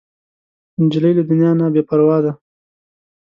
نجلۍ له دنیا نه بې پروا ده.